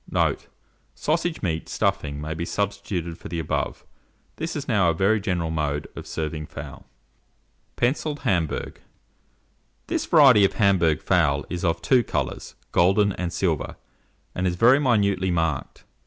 Note. Sausage meat stuffing may be substituted for the above: this is now a very general mode of serving fowl. [Illustration: PENCILLED HAMBURG.] PENCILLED HAMBURG. This variety of the Hamburg fowl is of two colours, golden and silver, and is very minutely marked.